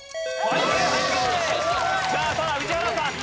さあただ宇治原さん